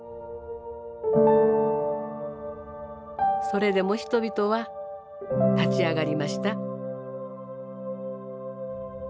それでも人々は立ち上がりました。